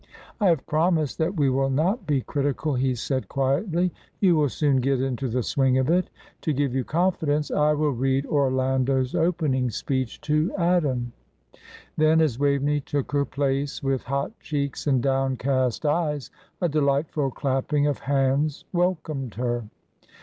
"I have promised that we will not be critical," he said, quietly. "You will soon get into the swing of it. To give you confidence, I will read Orlando's opening speech to Adam." Then, as Waveney took her place, with hot cheeks and downcast eyes, a delightful clapping of hands welcomed her.